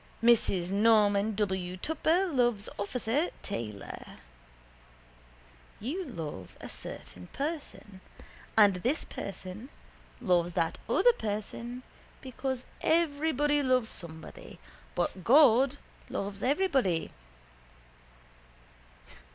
Mrs Norman W. Tupper loves officer Taylor. You love a certain person. And this person loves that other person because everybody loves somebody but God loves everybody.